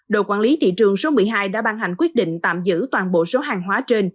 đội quản lý thị trường số một mươi hai đã ban hành quyết định tạm giữ toàn bộ số hàng hóa trên